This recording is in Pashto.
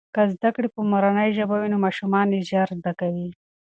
که زده کړې په مورنۍ ژبه وي نو ماشومان یې ژر زده کوي.